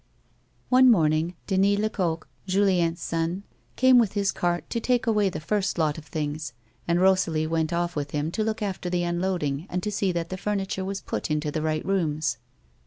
One morning young Denis Lecoq (Julien's son) came, with his cart, to take away the first lot of things, and Eosalie went off with him to look after the unloading, and to see that the furniture was put into the right rooms.